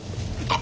あ！